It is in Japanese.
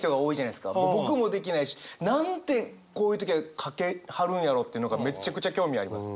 僕もできないし。なんてこういう時はかけはるんやろうっていうのがめちゃくちゃ興味あります。